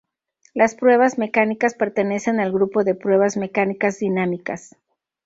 Las pruebas mecánicas pertenecen al grupo de pruebas mecánicas dinámicas.